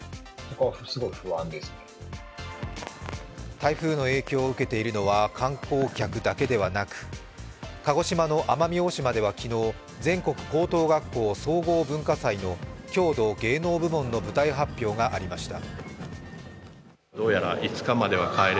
台風の影響を受けているのは観光客だけではなく鹿児島の奄美大島では昨日全国高等学校総合文化祭の郷土芸能部門の舞台発表がありました。